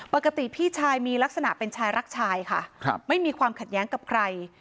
พี่ชายมีลักษณะเป็นชายรักชายค่ะไม่มีความขัดแย้งกับใคร